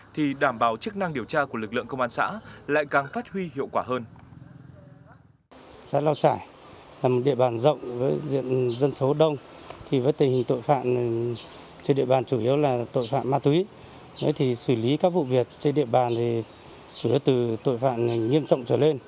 thì đảm bảo chức năng điều tra của lực lượng công an xã lại càng phát huy hiệu quả hơn